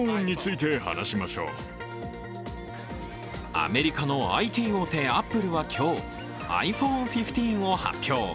アメリカのＩＴ大手・アップルは今日、ｉＰｈｏｎｅ１５を発表。